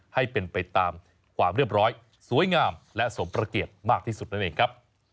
ให้เป็นไปตามความเรียบร้อยสวยงามและสมประเกียรติมากที่สุดนั่นเองครับ